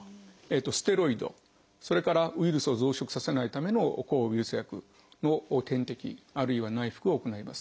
ステロイドそれからウイルスを増殖させないための抗ウイルス薬の点滴あるいは内服を行います。